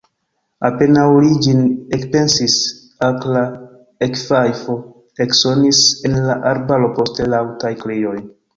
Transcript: Apenaŭ li ĝin ekpensis, akra ekfajfo eksonis en la arbaro, poste laŭtaj krioj.